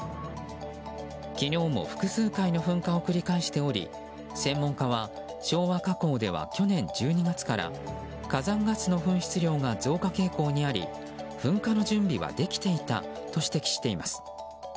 昨日も複数回の噴火を繰り返しており専門家は昭和火口では去年１２月から火山ガスの噴出量が増加傾向にあり噴火の準備はできていたと指摘しています。